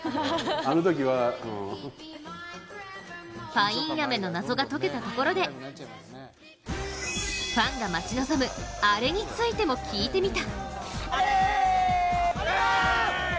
パインアメの謎が解けたところで、ファンが待ち望むアレについても聞いてみた。